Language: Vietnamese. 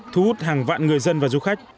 thu hút hàng vạn người dân và du khách